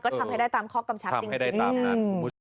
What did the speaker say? ก็ทำให้ได้ตามข้อกำชับจริงทำให้ได้ตามนั้น